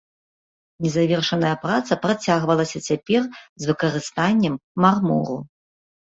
Незавершаная праца працягвалася цяпер з выкарыстаннем мармуру.